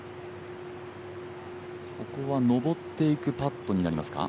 ここは上っていくパットになりますか。